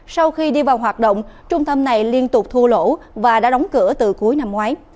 sau khi đi vào hoạt động trung tâm này liên tục thua lỗ và đã đóng cửa từ cuối năm ngoái